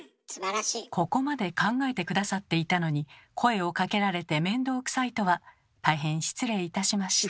ここまで考えて下さっていたのに声をかけられて面倒くさいとは大変失礼いたしました。